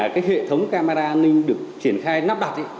cái hệ thống camera an ninh được triển khai nắp đặt